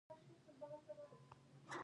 هوښیار خلک مخکې له خبرې فکر کوي.